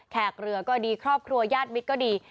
แขกเรือก็ดีครอบครัวญาติมิตรก็ดี